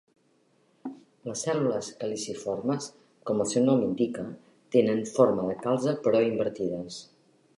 Les cèl·lules caliciformes, com el seu nom ho indica, tenen forma de calze però invertides.